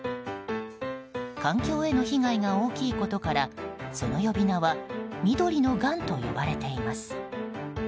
環境への被害が大きいことからその呼び名は緑のがんと呼ばれています。